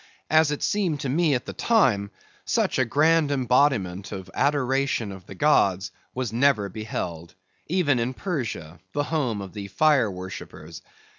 As it seemed to me at the time, such a grand embodiment of adoration of the gods was never beheld, even in Persia, the home of the fire worshippers.